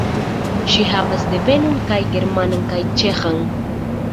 Ŝi havas devenon kaj germanan kaj ĉeĥan.